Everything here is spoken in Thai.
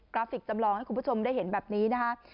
ราฟิกจำลองให้คุณผู้ชมได้เห็นแบบนี้นะคะ